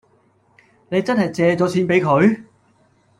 你真係借咗錢畀佢？